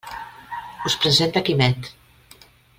Us presente Quimet.